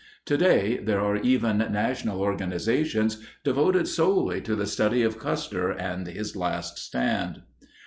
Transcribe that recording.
Today there are even national organizations devoted solely to the study of Custer and his last stand.